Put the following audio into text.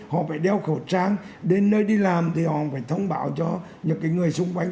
họ phải đeo khẩu trang đến nơi đi làm thì họ phải thông báo cho những người xung quanh